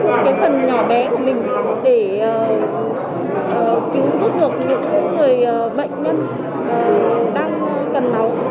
giúp các phần nhỏ bé của mình để cứu giúp được những người bệnh nhân đang cần máu